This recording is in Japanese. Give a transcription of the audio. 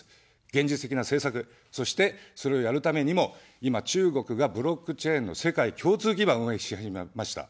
現実的な政策、そして、それをやるためにも今、中国がブロックチェーンの世界共通基盤を運営し始めました。